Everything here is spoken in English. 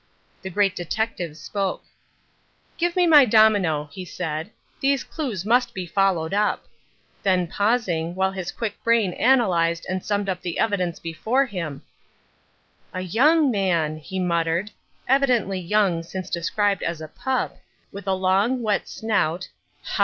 The Great Detective spoke. "Give me my domino," he said. "These clues must be followed up," then pausing, while his quick brain analysed and summed up the evidence before him—"a young man," he muttered, "evidently young since described as a 'pup,' with a long, wet snout (ha!